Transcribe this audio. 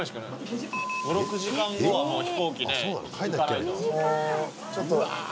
５６時間後は飛行機で行かないと。